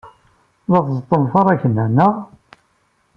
La tẓeṭṭem taṛakna, naɣ?